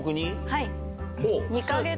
はい。